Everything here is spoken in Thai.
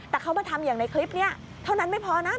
แต่เขามาทำอย่างในคลิปนี้เท่านั้นไม่พอนะ